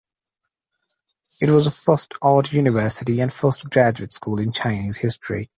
It was the first art university and first graduate school in Chinese history.